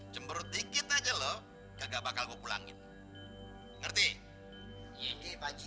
cemberut dikit aja loh gak bakal pulangin ngerti ngerti pak ji